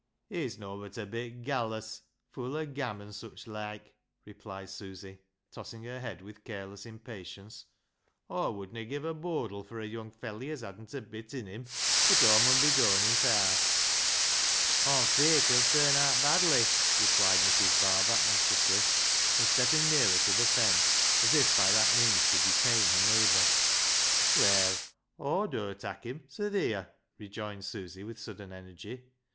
" He's nobbut a bit gallus, full o' gam an' sich loike," replied Susy, tossing her head with careless impatience. " Aw wouldna give a bodle fur a young felley as hadn't a d/t In him ; but Aw mun be goin' i' th' haase." " Aw'm feart he'll turn aat badly," replied Mrs. Barber anxiously, and stepping nearer to the fence, as if by that means to detain her neigh bour. "Well, ^wdur tak' him; so theer," rejoined Susy with sudden energy.